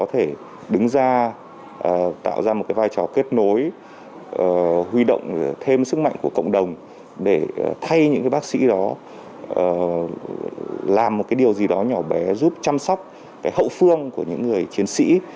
huy động thêm sức mạnh của cộng đồng để thay những bác sĩ đó làm một điều gì đó nhỏ bé giúp chăm sóc hậu phương của những người chiến sĩ